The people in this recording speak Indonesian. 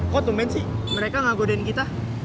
kok temen sih mereka gak godein kita